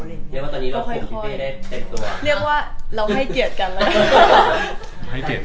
เรียกว่าเราให้เกลียดกัน